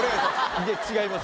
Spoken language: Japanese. いえ違います。